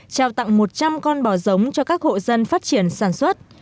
trao tặng một trăm linh con bò giống cho các hộ dân phát triển sản xuất